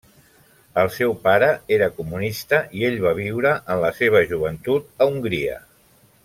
El seu pare era comunista i ell va viure en la seva joventut a Hongria.